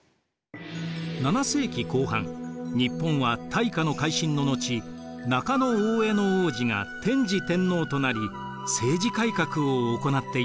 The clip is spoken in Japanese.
７世紀後半日本は大化の改新の後中大兄皇子が天智天皇となり政治改革を行っていました。